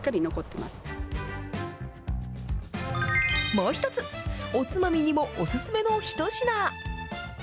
もう１つ、おつまみにもお勧めの一品。